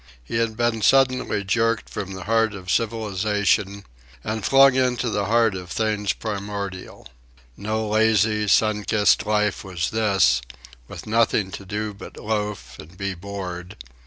He had been suddenly jerked from the heart of civilization and flung into the heart of things primordial. No lazy, sun kissed life was this, with nothing to do but loaf and be bored.